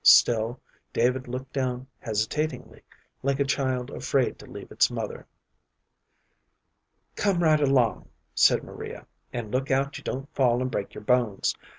Still David looked down hesitatingly, like a child afraid to leave its mother. "Come right along," said Maria, "and look out you don't fall and break your bones.